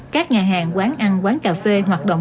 các nhà hàng quán ăn quán cà phê hoạt động